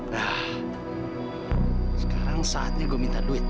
nah sekarang saatnya gue minta duit